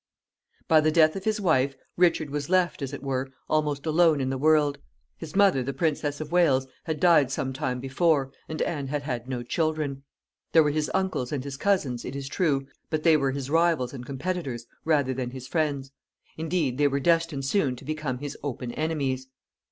By the death of his wife, Richard was left, as it were, almost alone in the world. His mother, the Princess of Wales, had died some time before, and Anne had had no children. There were his uncles and his cousins, it is true, but they were his rivals and competitors rather than his friends. Indeed, they were destined soon to become his open enemies.